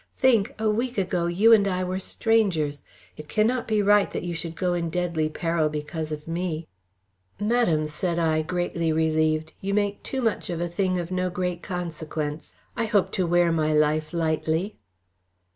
Think! A week ago you and I were strangers. It cannot be right that you should go in deadly peril because of me." "Madam," said I, greatly relieved, "you make too much of a thing of no great consequence. I hope to wear my life lightly."